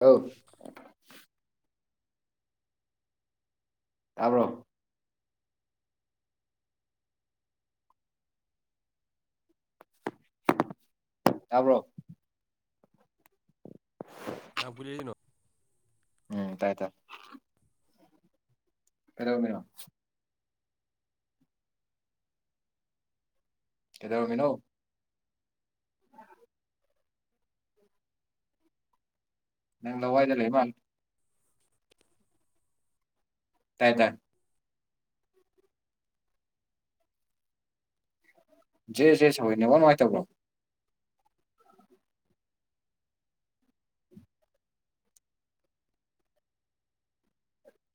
ꯑꯥꯎ [inaudible] ꯇꯥꯕ꯭ꯔꯣ ꯇꯥꯕ꯭ꯔꯣ ꯀꯌꯥꯝ ꯀꯨꯏꯅ ꯂꯩꯗꯨꯢꯅꯣ ꯎꯝ ꯇꯥꯏ ꯇꯥꯢ ꯀꯩꯗꯧꯔꯝꯃꯤꯅꯣ ꯀꯩꯗꯧꯔꯝꯃꯤꯅꯣ ꯅꯪ ꯂꯋꯥꯏꯗ ꯂꯩ ꯃꯥꯂꯤ ꯀꯥꯢꯗ ꯖꯦ ꯖꯦ ꯁꯧꯌꯦ ꯅꯦꯠꯋꯥꯛ ꯅꯨꯡꯉꯥꯏꯇꯕ꯭ꯔꯣ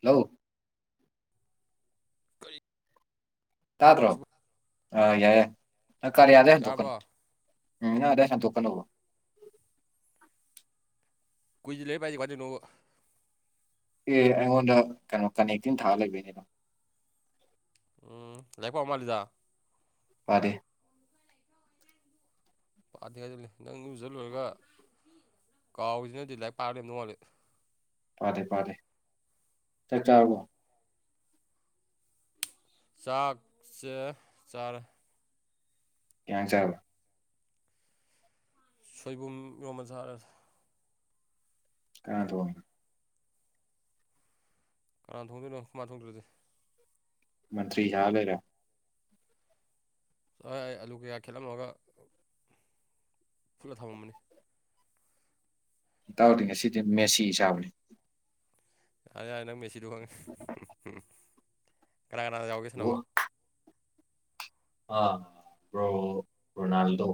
ꯍꯜꯂꯣ ꯀꯔꯤ ꯇꯥꯕ꯭ꯔꯣ ꯅꯦꯠꯋꯥꯛꯁꯤꯕꯨ ꯑ ꯌꯥꯏ ꯌꯥꯏ ꯅꯪ ꯀꯥꯔꯌꯥꯗꯩ ꯍꯦꯟꯗꯣꯛꯀꯅꯣ ꯌꯥꯔꯕꯣ ꯎꯝ ꯅꯪ ꯑꯗꯨꯗꯩ ꯍꯟꯇꯣꯛꯀꯅꯣꯕ ꯀꯨꯏꯖꯤꯜꯂꯦ ꯕꯥꯏ [unintelligible] ꯀꯃꯥꯢ ꯇꯧꯔꯤꯅꯣꯕ ꯑꯦ ꯑꯩꯉꯣꯟꯗ ꯀꯩꯅꯣ ꯀꯅꯦꯛꯇꯤꯡ ꯊꯥꯔ ꯂꯩꯕꯩꯅꯦ ꯎꯝ ꯂꯥꯢꯔꯤꯛ ꯄꯥꯕ ꯃꯥꯜꯂꯤꯗ ꯄꯥꯗꯦ ꯄꯥꯗꯦ ꯍꯥꯏꯖꯤꯜꯂꯦ ꯅꯪ ꯢꯔꯨꯖ ꯂꯣꯏꯔꯒ ꯀꯥꯎꯔꯤꯖꯤꯅꯗꯤ ꯅꯪ ꯂꯥꯏꯔꯤꯛ ꯄꯥꯔ ꯂꯩꯔꯝꯗꯧ ꯃꯥꯜꯂꯦ ꯄꯥꯗꯦ ꯄꯥꯗꯦ ꯆꯥꯛ ꯆꯥꯔꯕꯣ ꯆꯥꯛꯁꯦ ꯆꯥꯔꯦ ꯀꯩ ꯌꯦꯟꯁꯥꯡ ꯆꯥꯔꯕ ꯁꯣꯏꯕꯨꯝ ꯏꯔꯣꯝꯕ ꯆꯥꯔꯦ ꯀꯅꯥ ꯇꯣꯡꯉꯤꯅꯣ ꯀꯅꯥꯅ ꯊꯣꯡꯗꯣꯏꯅꯣ ꯑꯈꯣꯏ ꯃꯥ ꯊꯣꯡꯗ꯭ꯔꯗꯤ ꯃꯟꯇ꯭ꯔꯤ ꯁꯥꯔ ꯂꯩꯔꯦ ꯍꯣꯏ ꯑꯂꯨ ꯀꯌꯥ ꯈꯦꯠꯂꯝꯃꯒ ꯐꯨꯠꯂ ꯊꯝꯃꯝꯕꯅꯤ ꯢꯇꯥꯎꯗꯤ ꯉꯁꯤꯗꯤ ꯃꯦꯁꯤ ꯁꯥꯕꯅꯦ ꯌꯥꯔꯦ ꯌꯥꯔꯦ ꯅꯪ ꯃꯦꯁꯤꯗꯣ ꯈꯪꯉꯦ ꯀꯅꯥ ꯀꯅꯥ ꯌꯥꯎꯒꯦ ꯁꯥꯟꯅꯕ ꯑ ꯕ꯭ꯔꯣ ꯔꯣꯅꯥꯜꯗꯣ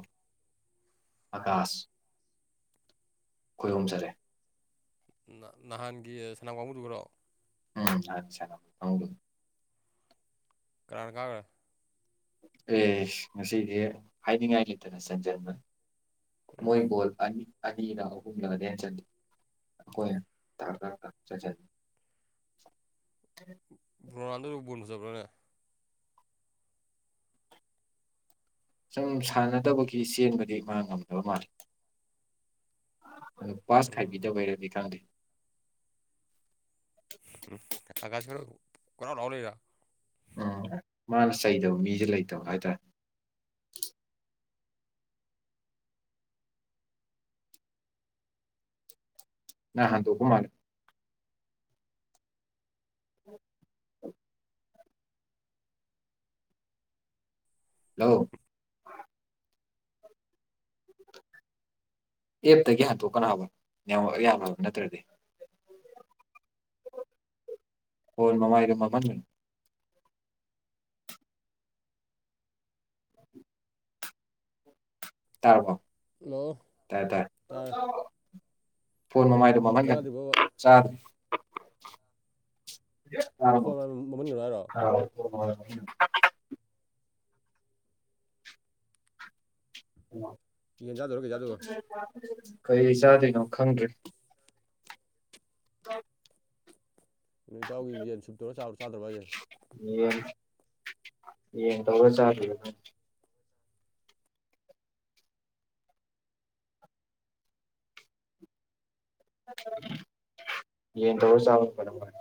ꯑꯀꯥꯁ ꯈꯣꯏ ꯑꯍꯨꯝ ꯆꯠꯂꯦ ꯅꯍꯥꯟꯒꯤ ꯁꯅꯥꯕ ꯀꯥꯡꯕꯨꯗꯨꯒꯔꯣ ꯎꯝ ꯅꯍꯥꯟ ꯁꯥꯟꯅꯕ ꯀꯪꯕꯨꯗꯨꯅꯅꯦ ꯀꯅꯅꯥ ꯀꯥꯒ꯭ꯔꯦ ꯑꯦꯁ ꯉꯁꯤꯗꯤ ꯍꯥꯏꯅꯤꯡꯉꯥꯏ ꯂꯩꯇꯅ ꯁꯟꯖꯟꯕꯅꯦ ꯎꯝ ꯃꯣꯏ ꯒꯣꯜ ꯑꯅꯤ ꯑꯅꯤꯔ ꯑꯍꯨꯝꯂ [unintelligible] [unintelligible] [unintelligible] ꯆꯠꯂꯤ ꯑꯩꯈꯣꯏ ꯊꯥꯛ ꯊꯥꯛ ꯆꯠꯆ ꯔꯣꯅꯥꯜꯗꯣꯕꯨ ꯕꯣꯜ ꯐꯖꯕ꯭ꯔꯣꯅꯦ ꯁꯨꯝ ꯁꯥꯟꯅꯗꯕꯒꯤ ꯆꯦꯟꯕꯗꯤ ꯃꯥ ꯉꯝꯗꯕ ꯃꯥꯜꯂꯤ ꯄꯥꯁ ꯎꯝ ꯈꯥꯏꯕꯤꯗꯕꯩꯔꯥꯗꯤ ꯈꯪꯗꯦ [unintelligible] ꯀꯣꯏꯂꯥꯎ ꯂꯥꯎ ꯂꯩꯔꯣ ꯑꯥ ꯃꯥꯅ ꯆꯩꯗꯕ ꯃꯤꯒ ꯂꯩꯇꯕ ꯍꯥꯏꯇꯥꯔꯦ ꯅꯥ ꯍꯥꯟꯗꯣꯛꯄ ꯃꯥꯂꯦ ꯍꯂꯣ ꯑꯦꯞꯇꯒꯤ ꯍꯟꯇꯣꯛꯀꯅꯥꯎꯕ ꯅꯦꯠꯋꯔꯛ ꯌꯥꯕ꯭ꯔ ꯅꯠꯇ꯭ꯔꯗꯤ ꯐꯣꯟ ꯃꯃꯥꯏꯗꯣ ꯃꯝꯃꯟꯒꯅꯨ ꯇꯥꯔꯕꯣ ꯍꯜꯂꯣ ꯇꯥꯏꯌꯦ ꯇꯥꯏꯌꯦ ꯇꯥꯔꯦ ꯇꯥꯆꯧ ꯐꯣꯟ ꯃꯃꯥꯏꯗꯣ ꯆꯥꯛ ꯃꯝꯍꯟꯒꯅꯣ ꯆꯥꯗ꯭ꯔꯤꯕꯣꯕ ꯆꯥꯗ꯭ꯔꯤ ꯇꯥꯔꯕꯣ ꯐꯣꯟ ꯃꯃꯟ ꯀꯩꯅꯣ ꯍꯥꯏꯔꯣ [unintelligible] ꯌꯦꯟ ꯆꯥꯗꯣꯏꯔꯣ ꯀꯩ ꯆꯥꯗꯣꯏꯕ ꯀꯩ ꯆꯥꯗꯣꯏꯅꯣ ꯈꯪꯗ꯭ꯔꯦ [inaudible] ꯅꯏꯇꯥꯎꯒꯤ ꯌꯦꯟ ꯁꯨꯞꯇꯧꯔ ꯆꯥꯕꯗꯣ ꯆꯥꯗ꯭ꯔꯕꯣ ꯍꯥꯏꯁꯦ ꯌꯦꯟ ꯌꯦꯟ ꯇꯧꯔ ꯆꯥꯗ꯭ꯔꯤꯕ ꯈꯪ ꯌꯦꯟ ꯇꯧꯔ ꯆꯥꯕꯅ ꯐꯗꯧ ꯃꯥꯜꯂꯦ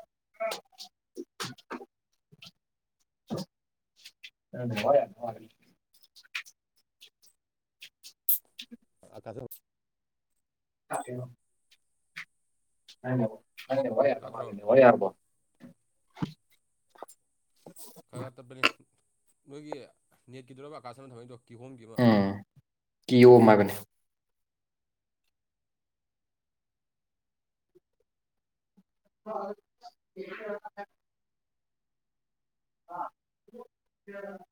[unintelligible] [unintelligible] [unintelligible] [unintelligible] ꯍꯣꯔꯦꯟ ꯇꯥꯗ꯭ꯔꯣ ꯌꯥꯔꯕꯣ ꯈꯒꯥ ꯇꯠꯄꯅꯦ ꯅꯣꯏꯒꯤ ꯅꯦꯠꯀꯤꯗꯨꯔꯥꯕ ꯑꯀꯥꯁꯅ ꯊꯝꯃꯛꯏꯗꯣ ꯀꯤꯍꯣꯝꯒꯤ ꯑꯃꯥ ꯎꯝ ꯀꯤꯌꯣꯝ ꯍꯥꯏꯕꯅꯦ [unintelligible] [unintelligible]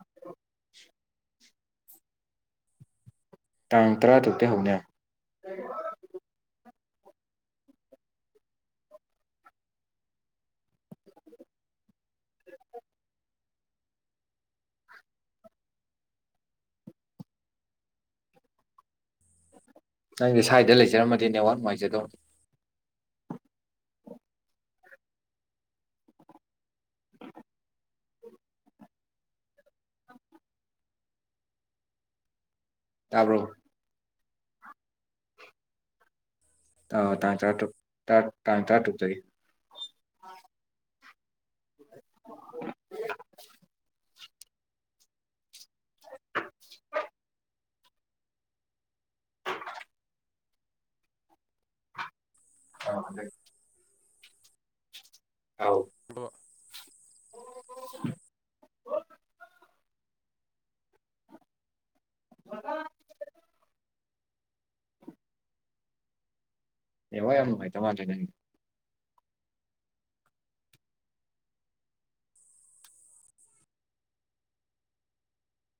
ꯇꯥꯡ ꯇꯔꯥ ꯇꯔꯨꯛꯇꯩ ꯍꯧꯅꯤꯍꯥꯏꯝ [inaudible] ꯅꯪꯖꯦ ꯁ꯭ꯥꯏꯗ ꯂꯩꯖꯔꯝꯃꯗꯤ ꯅꯦꯠꯋꯥꯔꯛ ꯅꯨꯡꯉꯥꯏꯖꯗꯧꯅꯤ [inaudible] ꯇꯥꯕ꯭ꯔꯣ ꯑꯥ ꯇꯥꯡ ꯇꯥꯔꯇꯔꯨꯡ ꯇꯥ ꯇꯥꯡ ꯇꯥꯇꯔꯨꯡꯇꯒꯤ [inaudible] ꯑꯥꯎ ꯕꯣ [inaudible] ꯋꯥꯊꯥ ꯅꯦꯋꯥꯔꯛ ꯌꯥꯝ ꯅꯨꯉꯥꯏꯇ ꯃꯥꯂꯦ ꯅꯪꯒꯤ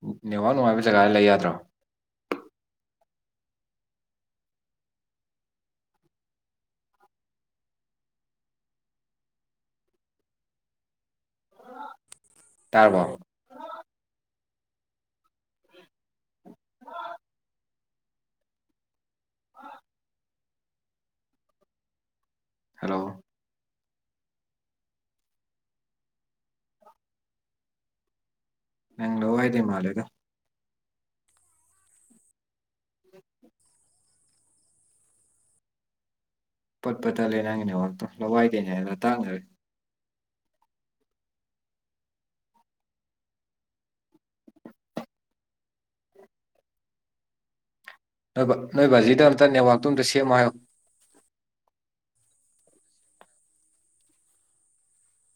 ꯑꯨ ꯅꯦꯋꯥꯔꯛ ꯅꯨꯡꯉꯥꯏꯕ ꯖꯒꯥꯗ ꯂꯩ ꯌꯥꯗ꯭ꯔꯣ ꯇꯥꯔꯕꯣ ꯍꯂꯣ ꯅꯪ ꯂꯋꯥꯏꯗꯩ ꯃꯥꯂꯦꯗ [inaudible] ꯄꯠꯄꯠ ꯇꯠꯂꯦ ꯅꯪꯒꯤ ꯅꯦꯋꯥꯔꯛꯇꯣ ꯂꯋꯥꯏꯗꯩꯅꯦ ꯍꯥꯏꯕ ꯑꯇꯥꯛꯅꯔꯦ ꯅꯣꯏꯕ ꯅꯣꯏ ꯕꯥꯖꯤꯗ ꯑꯝꯇ ꯅꯦꯠꯋꯥꯔꯛꯇꯣ ꯑꯝꯇ ꯁꯦꯝꯃꯣ ꯍꯥꯏꯌꯣ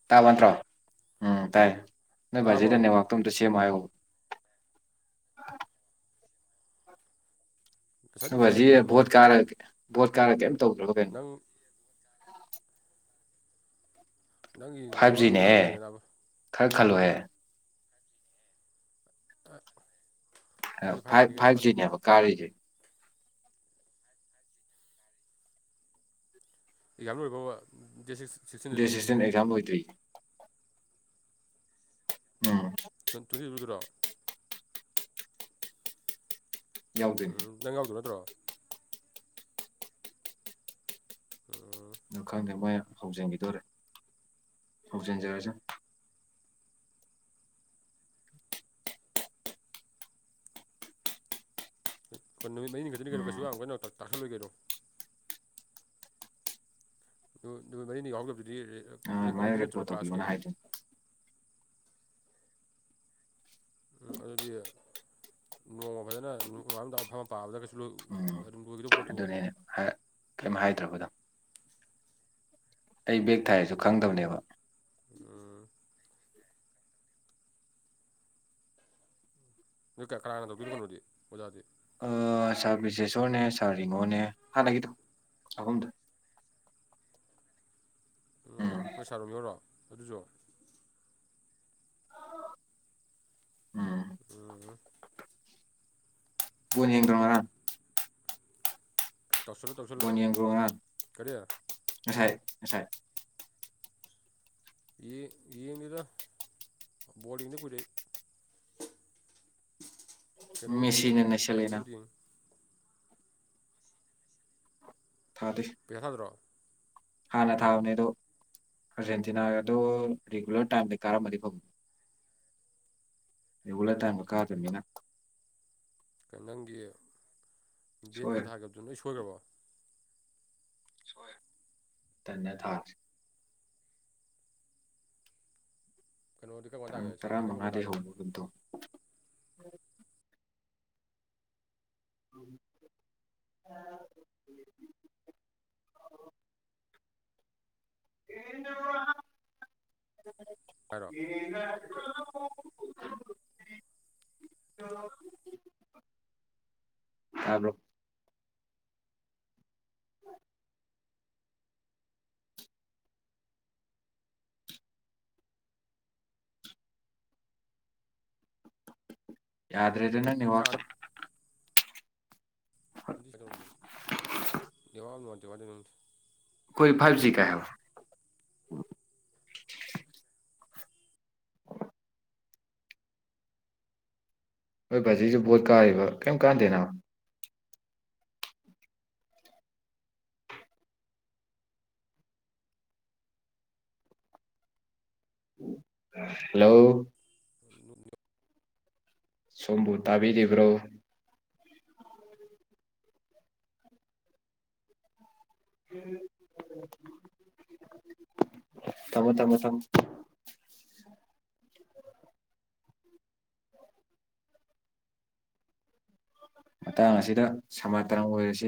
ꯇꯥꯕ ꯅꯠꯇ꯭ꯔꯣ ꯎꯝ ꯇꯥꯏ ꯅꯣꯏ ꯇꯥꯔꯕꯣ ꯕꯥꯖꯤꯗ ꯅꯦꯠꯋꯥꯛꯇꯣ ꯑꯝꯇ ꯁꯦꯝꯃꯣ ꯍꯥꯏꯌꯣꯕ ꯉꯁꯥꯏ ꯅꯣꯏ ꯅꯨꯡꯊꯤꯟꯗꯤ ꯕꯥꯖꯤ ꯀꯩꯝ ꯚꯣꯠ ꯇꯧꯗꯕꯅꯤꯅꯦ ꯀꯥꯔꯒ ꯚꯣꯠ ꯀꯥꯔ ꯀꯦꯝ ꯇꯧꯗ꯭ꯔꯕ ꯀꯩꯅꯣ ꯅꯪ ꯅꯪꯒꯤ ꯐꯥꯏꯚ ꯅꯦꯠꯋꯥꯛꯅ ꯑꯣꯏꯗꯣꯏꯔꯥ ꯖꯤꯅꯦꯍꯦ ꯅꯪ ꯂꯩꯗꯅꯕ ꯈꯔ ꯈꯜꯂꯣꯍꯦ [unintelligible] ꯑꯞ ꯑꯩꯗꯤ ꯖꯤꯅꯤ ꯐꯥꯏꯚ ꯀꯩꯅꯣ ꯆꯞ ꯐꯥꯏꯚ ꯃꯥꯟꯅꯩ ꯖꯤꯅꯦꯕ ꯀꯥꯔꯤꯖꯦ ꯑꯦꯖꯥꯝ ꯂꯣꯔꯕꯕꯥ ꯗꯦꯠ [unintelligible] ꯗꯦꯠ ꯁꯤꯛꯁꯇꯤꯟ ꯑꯦꯛꯖꯥꯝ ꯂꯣꯏꯗ꯭ꯔꯤ ꯎꯝ ꯇꯨ ꯇ꯭ꯋꯦꯟ [unintelligible] ꯌꯥꯎꯗꯣꯏꯅꯤ ꯎꯝ ꯅꯪ ꯌꯥꯎꯗꯣꯢ ꯅꯠꯇ꯭ꯔꯣ ꯑꯝ ꯑ ꯈꯪꯗꯦ ꯃꯣꯏ ꯍꯧꯖꯤꯟꯒꯤꯗꯣꯔꯦ ꯍꯧꯖꯟꯖꯔꯁꯅꯨ ꯅꯨꯠꯅꯤꯠ ꯃꯔꯤꯅꯤ ꯈꯛꯇꯅꯤ ꯀꯩꯅꯣ ꯀꯩꯁꯨ ꯎꯝ ꯌꯥꯝ ꯀꯟꯅ ꯇꯥꯛꯁꯜꯂꯣꯏ ꯀꯩꯅꯣ ꯑꯗꯨ ꯅꯨꯃꯤꯠ ꯃꯔꯤꯅꯤ ꯌꯥꯎꯗꯕꯗꯨꯗꯤ ꯔꯦ-ꯔꯦꯀꯣꯔꯗ ꯑꯗꯨꯃꯥꯏꯅ ꯂꯩꯗꯣꯏ ꯅꯠꯇ꯭ꯔꯣ ꯔꯦꯀꯣꯔꯠ ꯇꯧꯕꯤꯌꯣꯅ ꯀ꯭ꯂꯥꯁꯀꯤ ꯍꯥꯏꯗꯣꯏꯅꯤ ꯎꯝ ꯑꯗꯨꯗꯤ ꯅꯣꯡꯃ ꯐꯖꯅ ꯅꯣꯉꯥꯟ ꯅꯨꯃꯤꯠ ꯇꯥꯕꯐꯥꯎ ꯐꯥꯝꯃ ꯄꯥꯕꯗ ꯀꯩꯁꯨ ꯑꯗꯨꯝ ꯂꯣꯏꯒꯗꯧ ꯑꯗꯨꯅꯦꯅꯦ [unintelligible] ꯀꯩꯝ ꯍꯥꯏꯗ꯭ꯔꯕ ꯑꯗꯣ ꯑꯩ ꯕꯦꯛ ꯊꯥꯏꯁꯨ ꯈꯪꯗꯕꯅꯦꯕ ꯎꯝ ꯅꯣꯏ ꯀꯅꯥ ꯀꯅꯥ ꯇꯧꯗꯨꯏꯅꯣ ꯀꯩꯅꯣꯗꯤ ꯑꯣꯖꯥꯗꯤ ꯑ ꯁꯥꯔ ꯕꯤꯁꯦꯁꯣꯔꯅꯦ ꯁꯥꯔ ꯔꯤꯡꯒꯣꯅꯦ ꯍꯥꯟꯅꯒꯤꯗꯣ ꯑꯍꯨꯝꯗꯨ ꯎꯝ ꯅꯣꯏ ꯁꯥꯔ ꯔꯣꯃꯤꯌꯣ ꯔꯣ ꯑꯗꯨꯁꯨ ꯎꯝ ꯎꯝ ꯍꯨꯝ ꯕꯣꯜ ꯌꯦꯡꯗ꯭ꯔꯣ ꯉꯔꯥꯡ ꯇꯧꯁꯜꯂꯣ ꯇꯧꯁꯜꯂꯣ ꯕꯣꯜ ꯌꯦꯡꯕ꯭ꯔꯣ ꯉꯔꯥꯡ ꯀꯔꯤ ꯉꯁꯥꯏ ꯉꯁꯥꯏ ꯌꯦ ꯌꯦꯡꯗꯦꯗ ꯕꯣꯜ ꯌꯦꯡꯗ ꯀꯨꯏꯔꯦ ꯀꯩꯅꯣꯕꯨꯗꯤ ꯃꯦꯁꯤꯅ ꯌꯦꯡꯅꯤ ꯅꯩꯁꯜꯂꯦꯅ ꯐꯥꯏꯅꯦꯜꯕꯨꯗꯤ ꯌꯦꯡꯅꯤ ꯊꯥꯗꯦ ꯄꯦꯍꯜꯂꯣ [unintelligible] ꯍꯥꯟꯅ ꯊꯥꯕꯅꯦ ꯑꯗꯣ ꯑꯔꯖꯦꯟꯇꯤꯅꯥꯗꯣ ꯔꯤꯒꯨꯂꯔ ꯇꯥꯏꯝꯗ ꯀꯥꯔꯝꯃꯗꯤ ꯀꯣ ꯔꯤꯒꯨꯂꯔ ꯇꯥꯏꯝꯗ ꯀꯥꯗꯕꯅꯤꯅ ꯀꯩꯅꯣ ꯅꯪꯒꯤ ꯕꯦꯠꯀ ꯁꯣꯏꯔꯦ ꯊꯥꯒꯤꯕꯗꯨ ꯂꯣꯏ ꯁꯣꯏꯒ꯭ꯔꯕꯣ ꯇꯟꯅ ꯊꯥꯗ꯭ꯔꯦ ꯀꯩꯅꯣꯗꯤ ꯀꯝ ꯀꯥꯟ ꯇꯥꯡ ꯇꯥꯒꯦ ꯁꯦꯃꯤ ꯐꯥꯏꯅꯦꯜ ꯀꯔꯝꯒꯥꯟ ꯇꯔꯥꯃꯉꯥꯗꯒꯤ ꯇꯥꯒꯦ ꯍꯧꯕ ꯀꯩꯅꯣꯝ ꯇꯧ [unintelligible] [inaudible] [unintelligible] [inaudible] ꯍꯥꯏꯔꯣ ꯌꯦꯡ [unintelligible] [unintelligible] ꯇꯥꯕ꯭ꯔꯣ ꯌꯥꯗ꯭ꯔꯦꯗ ꯅꯪ ꯇꯔꯥ ꯅꯦꯠꯋꯥꯛꯇꯣ [unintelligible] ꯅꯦꯠꯋꯥꯛ ꯅꯨꯡꯉꯥꯢꯇꯦ ꯀꯃꯥꯢ ꯇꯧꯔꯤꯅꯣ ꯈꯪꯗꯦ ꯑꯩꯈꯣꯏ ꯐꯥꯏꯚ ꯖꯤ ꯀꯥꯏ ꯍꯥꯏꯕ ꯅꯣꯏ ꯕꯥꯖꯤꯁꯨ ꯕꯣꯠ ꯀꯥꯔꯤꯕ ꯀꯩꯝ ꯀꯥꯟꯗꯦ ꯅꯕꯥ ꯍꯜꯂꯣ [unintelligible] ꯁꯣꯝꯕꯨ ꯇꯥꯕꯤꯔꯤꯕ꯭ꯔꯣ [inaudible] ꯊꯃꯣ ꯊꯃꯣ ꯊꯃꯣ ꯃꯇꯥꯡ ꯑꯁꯤꯗ ꯁꯃꯥꯇꯔꯪ ꯑꯣꯏꯔꯁꯤ